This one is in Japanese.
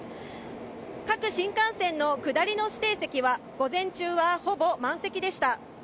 各新幹線の下りの指定席は午前中は、ほぼ満席でした。